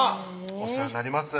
お世話になります